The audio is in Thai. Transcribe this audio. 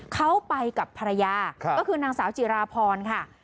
เขาไปกับภรรยาก็คือนางสาวจิราพรค่ะ